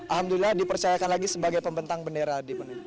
alhamdulillah dipercayakan lagi sebagai pembentang bendera di penduduk